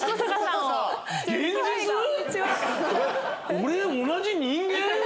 俺同じ人間？